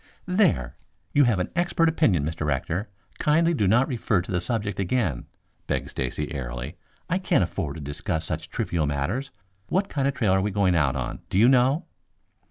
"There! You have an expert opinion, Mr. Rector. Kindly do not refer to the subject again," begged Stacy airily. "I can't afford to discuss such trivial matters. What kind of trail are we going out on, do you know?"